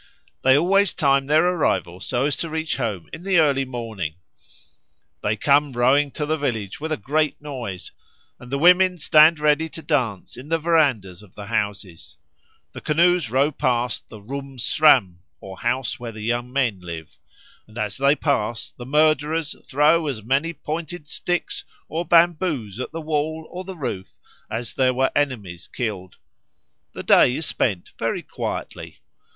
They always time their arrival so as to reach home in the early morning. They come rowing to the village with a great noise, and the women stand ready to dance in the verandahs of the houses. The canoes row past the room sram or house where the young men live; and as they pass, the murderers throw as many pointed sticks or bamboos at the wall or the roof as there were enemies killed. The day is spent very quietly.